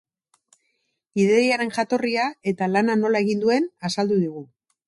Ideiaren jatorria eta lana nola egin duen azaldu digu.